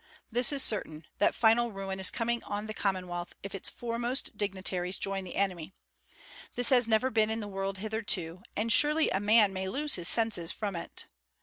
This is certain, that final ruin is coming on the Commonwealth if its foremost dignitaries join the enemy. This has never been in the world hitherto, and surely a man may lose his senses from it.